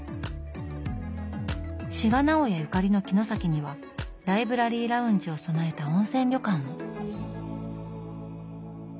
志賀直哉ゆかりの城崎にはライブラリーラウンジを備えた温泉旅館も。